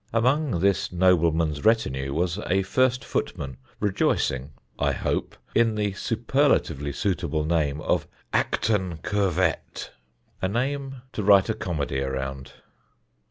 Among this nobleman's retinue was a first footman rejoicing (I hope) in the superlatively suitable name of Acton Curvette: a name to write a comedy around.